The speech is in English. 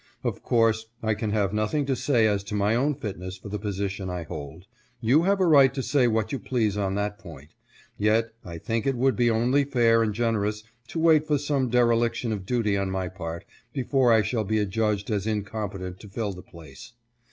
Of course I can have nothing to say as to my own fitness for the position I hold. You have a right to say what you please on that point ; yet I think it would be only fair and generous to wait for some dereliction of duty on my part before I shall be adjudged as incompetent to fill the place.